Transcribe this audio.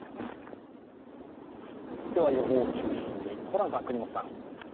予報を中心に、ホランさん、國本さん。